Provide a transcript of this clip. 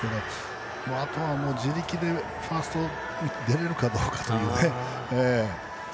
あとは自力で、ファーストに出れるかどうかという。